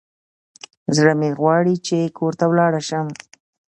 زړه مي غواړي چي کور ته ولاړ سم.